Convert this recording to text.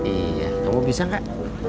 iya kamu bisa kak